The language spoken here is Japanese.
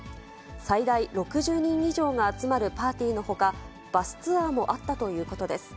最大６０人以上が集まるパーティーのほか、バスツアーもあったということです。